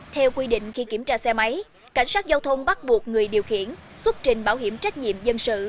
theo quy định khi kiểm tra xe máy cảnh sát giao thông bắt buộc người điều khiển xuất trình bảo hiểm trách nhiệm dân sự